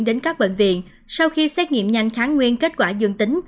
đến các bệnh viện sau khi xét nghiệm nhanh kháng nguyên kết quả dương tính